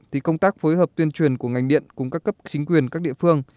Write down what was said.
thì công tác phối hợp tuyên truyền của ngành điện cùng các cấp chính quyền các địa phương